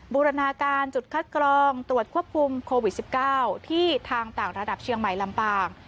บูรณาการจุดคัดกรองตรวจควบคุมโควิด๑๙ที่ทางต่างระดับเชียงใหม่ลำปาง